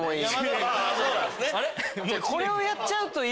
これをやっちゃうと。